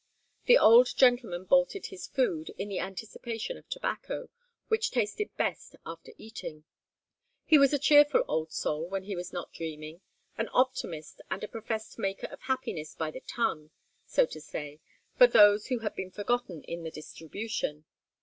The old gentleman bolted his food in the anticipation of tobacco, which tasted best after eating. He was a cheerful old soul when he was not dreaming, an optimist and a professed maker of happiness by the ton, so to say, for those who had been forgotten in the distribution.